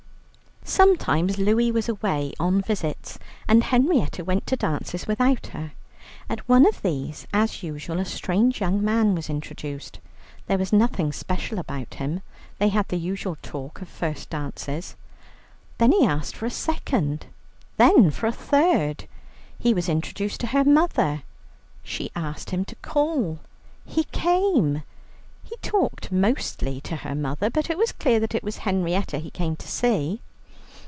Sometimes Louie was away on visits, and Henrietta went to dances without her. At one of these, as usual a strange young man was introduced. There was nothing special about him. They had the usual talk of first dances. Then he asked for a second, then for a third. He was introduced to her mother. She asked him to call. He came. He talked mostly to her mother, but it was clear that it was Henrietta he came to see.